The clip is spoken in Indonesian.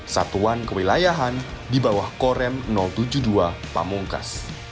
satuan kewilayahan di bawah korem tujuh puluh dua pamungkas